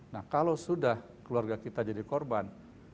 nah kalau sudah keluarga kita jadi korban